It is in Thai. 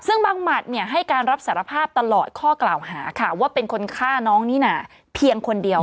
ซึ่งบังหมัดเนี่ยให้การรับสารภาพตลอดข้อกล่าวหาค่ะว่าเป็นคนฆ่าน้องนิน่าเพียงคนเดียว